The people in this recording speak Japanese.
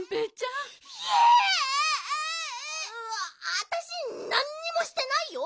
あたしなんにもしてないよ！